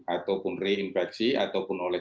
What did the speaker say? ataupun reinfeksi ataupun oleh